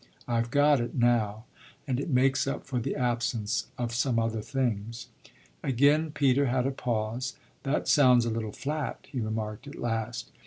I've got it now; and it makes up for the absence of some other things." Again Peter had a pause. "That sounds a little flat," he remarked at last.